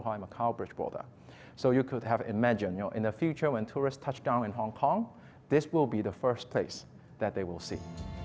jadi anda bisa bayangkan di masa depan ketika turis menemukan hongkong ini akan menjadi tempat pertama yang akan mereka lihat